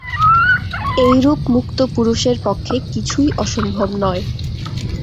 এইরূপ মুক্ত পুরুষের পক্ষে কিছুই অসম্ভব নয়।